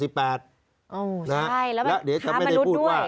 โอ้ใช่แล้วค้ามนุษย์ด้วยแล้วเดี๋ยวก็ไม่ได้พูดว่า